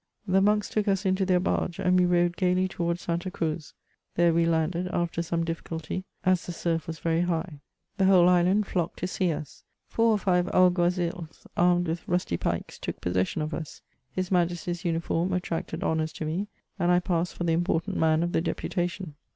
The monks took us into their barge, and we rowed gaily towards Santa Cruz ; there we landed, after some difficulty, as the surf was very high. The whole island flocked to see us. Four or five ^Ig^uazils, armed with rusty pikes, took possession of us. His majesty's uniform attracted honours to me, and I passed for the important man of the deputation.